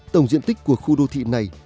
tổng diện tích của khu đô thị này